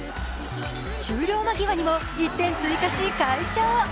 終了間際にも１点追加し、快勝。